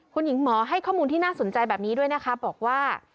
คุณหญิงหมอให้ข้อมูลที่น่าสนใจแบบนี้ด้วยนะคะบอกว่า